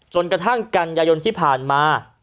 จนกระทั่งกันยายนที่ผ่านมา